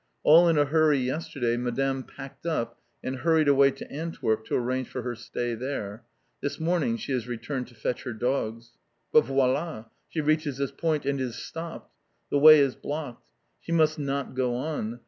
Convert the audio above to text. All in a hurry yesterday, Madame packed up, and hurried away to Antwerp, to arrange for her stay there. This morning she has returned to fetch her dogs. But voilà! She reaches this point and is stopped. The way is blocked. She must not go on.